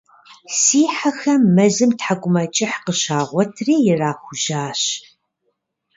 Си хьэхэм мэзым тхьэкӀумэкӀыхь къыщагъуэтри ирахужьащ.